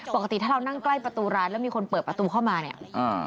ปกติถ้าเรานั่งใกล้ประตูร้านแล้วมีคนเปิดประตูเข้ามาเนี่ยอ่า